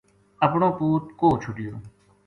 اپنو پوت کوہ چھوڈیو ‘‘